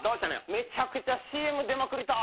めちゃくちゃＣＭ出まくりた。